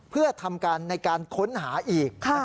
เพื่อทำการในการค้นหาอีก